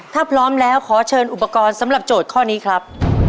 ถ้าพร้อมแล้วขอเชิญอุปกรณ์สำหรับโจทย์ข้อนี้ครับ